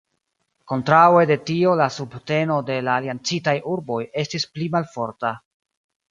Kontraŭe de tio la subteno de la aliancitaj urboj estis pli malforta.